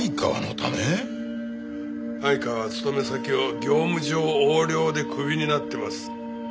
相川は勤め先を業務上横領でクビになってます。